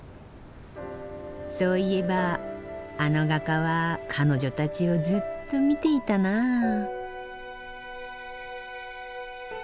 そういえばあの画家は彼女たちをずっと見ていたなあ。